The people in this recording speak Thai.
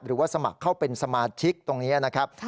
สมัครเข้าเป็นสมาชิกตรงนี้นะครับ